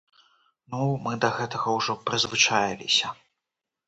Ну, мы да гэтага ўжо прызвычаіліся.